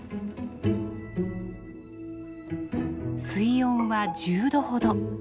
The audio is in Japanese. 水温は１０度ほど。